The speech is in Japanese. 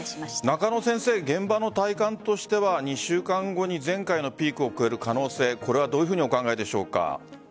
中野先生、現場の体感としては２週間後に前回のピークを越える可能性どうお考えでしょうか？